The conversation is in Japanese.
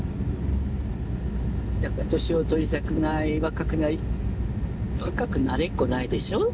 だから年を取りたくない若くなり若くなれっこないでしょう。